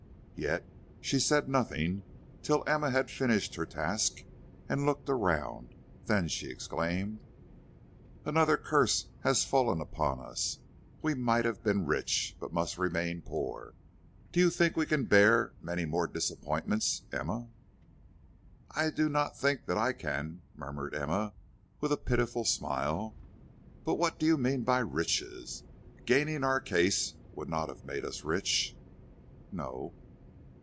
Yet she said nothing till Emma had finished her task and looked around, then she exclaimed: "Another curse has fallen upon us; we might have been rich, but must remain poor. Do you think we can bear many more disappointments, Emma?" "I do not think that I can," murmured Emma, with a pitiful smile. "But what do you mean by riches? Gaining our case would not have made us rich." "No."